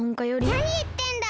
なにいってんだ！